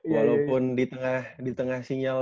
walaupun di tengah sinyal